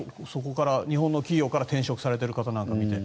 日本の企業から転職されている方を見て。